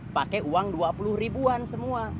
pakai uang dua puluh ribuan semua